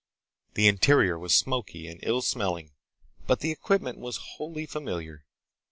The interior was smoky and ill smelling, but the equipment was wholly familiar.